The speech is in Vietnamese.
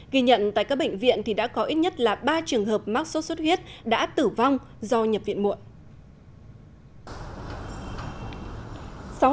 ghi nhận tại các bệnh viện thì đã có ít nhất là ba trường hợp mắc sốt xuất huyết đã tử vong do nhập viện muộn